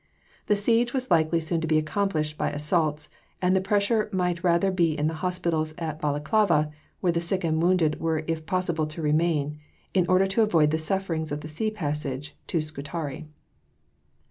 The siege was likely soon to be accompanied by assaults, and the pressure might rather be in the hospitals at Balaclava, where the sick and wounded were if possible to remain, in order to avoid the sufferings of the sea passage to Scutari.